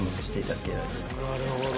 なるほど。